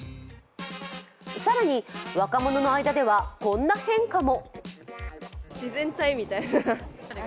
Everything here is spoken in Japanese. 更に若者の間では、こんな変化も。